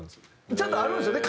ちゃんとあるんですよね